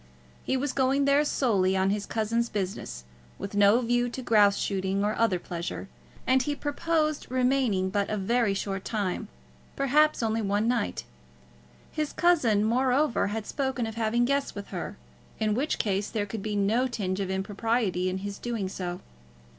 He was going there solely on his cousin's business, with no view to grouse shooting or other pleasure, and he purposed remaining but a very short time, perhaps only one night. His cousin, moreover, had spoken of having guests with her, in which case there could be no tinge of impropriety in his doing so.